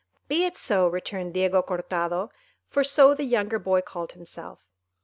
"Be it so," returned Diego Cortado, for so the younger boy called himself.